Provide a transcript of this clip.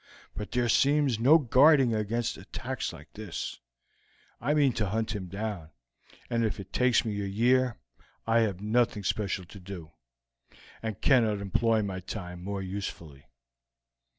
But there seems no guarding against attacks like this; I mean to hunt him down, if it takes me a year. I have nothing special to do, and cannot employ my time more usefully."